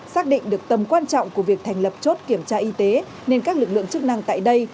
xác định được tầm quan trọng của việc thành lập chốt kiểm tra y tế nên các lực lượng chức năng tại đây